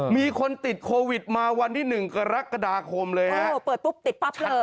มีคนติดโควิดมาวันที่หนึ่งกรกฎาคมเลยฮะโอ้เปิดปุ๊บติดปั๊บเลย